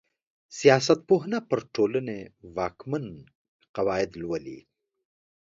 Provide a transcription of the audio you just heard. سياست پوهنه پر ټولني واکمن قواعد لولي.